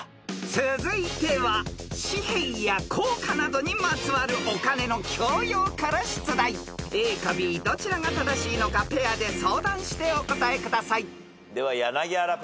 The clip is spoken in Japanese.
［続いては紙幣や硬貨などにまつわるお金の教養から出題］［ＡかＢどちらが正しいのかペアで相談してお答えください］では柳原ペア。